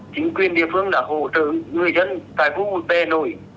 chính quyền địa phương đã hỗ trợ người dân tại khu tè nổi